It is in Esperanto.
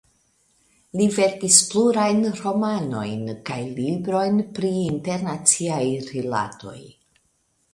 Li verkis plurajn romanojn kaj librojn pri internaciaj rilatoj.